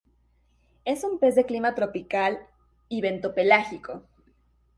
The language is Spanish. Es un pez de Clima tropical y bentopelágico.